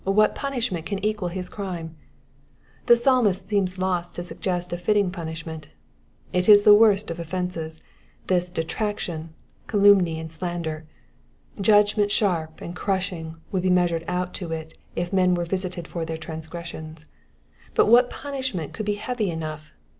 What punishment can equal his crime ? The Psalmist seems lost to suggest a litting punishment. It is the worst of offences — this detraction, calumny, and slander. Judgment sharp and crushing would be measured out to it if men were visited for their transgressions. But what punishment could be heavy enough